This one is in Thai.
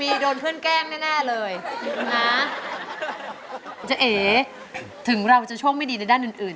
เรียนมีโดนเพื่อนแกล้งแน่เลยนะคุณเจ๋เอ๋ถึงเราจะโชคไม่ดีในด้านอื่น